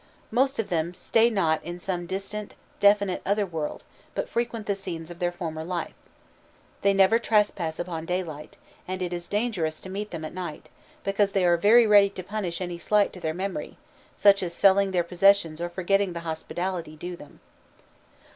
Most of them stay not in some distant, definite Otherworld, but frequent the scenes of their former life. They never trespass upon daylight, and it is dangerous to meet them at night, because they are very ready to punish any slight to their memory, such as selling their possessions or forgetting the hospitality due them.